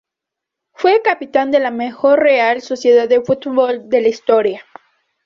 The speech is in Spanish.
Fue capitán de la mejor Real Sociedad de Fútbol de la historia.